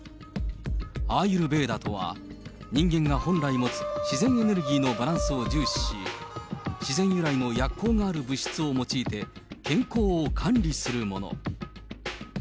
アーユルベーダとは、人間が本来持つ自然エネルギーのバランスを重視し、自然由来の薬効がある物質を用いて、健康を管理するもの。